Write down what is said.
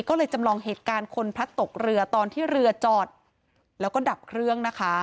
ก็เลยจำลองเหตุการณ์คนพลัดตกเรือตอนที่เรือจอดแล้วก็ดับเครื่องนะคะ